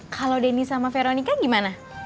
kalau denny sama veronica gimana